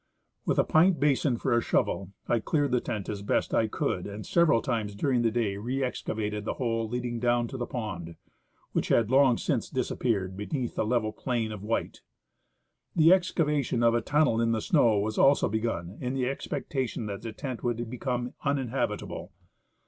With a pint basin for a shovel I cleared the tent as best I could, and several times during the day re excavated the hole leading down to the pond, which had long since disappeared beneath the level plain of white. The excavation of a tunnel in the snow was also begun in the expectation that the tent would become uninhabitable.